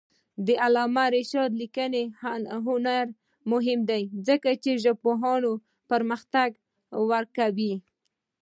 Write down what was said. د علامه رشاد لیکنی هنر مهم دی ځکه چې ژبپوهنه پرمختګ ورکوي.